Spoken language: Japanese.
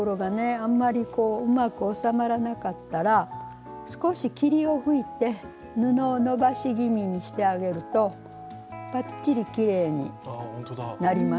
あんまりうまくおさまらなかったら少し霧を吹いて布を伸ばし気味にしてあげるとバッチリきれいになります。